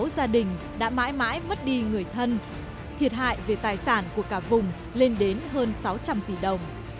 hai mươi sáu gia đình đã mãi mãi mất đi người thân thiệt hại về tài sản của cả vùng lên đến hơn sáu trăm linh tỷ đồng